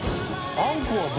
罎あんこは。